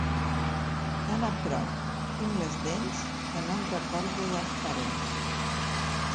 Tan a prop tinc les dents, que no em recordo dels parents.